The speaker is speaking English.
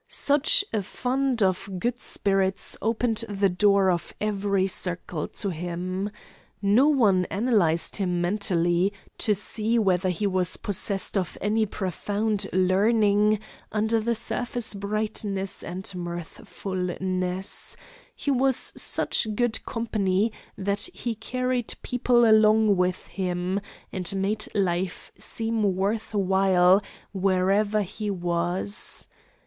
Such a fund of good spirits opened the door of every circle to him. No one analysed him mentally, to see whether he was possessed of any profound learning under the surface brightness and mirthfulness; he was such good company that he carried people along with him and made life seem worth while wherever he was.